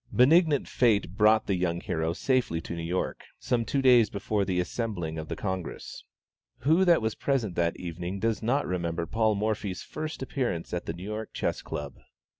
Benignant fate brought the young hero safely to New York, some two days before the assembling of the Congress. Who that was present that evening does not remember Paul Morphy's first appearance at the New York Chess Club?